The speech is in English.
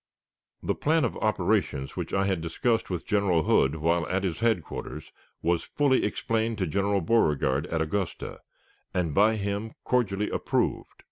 The plan of operations which I had discussed with General Hood while at his headquarters was fully explained to General Beauregard at Augusta, and by him cordially approved.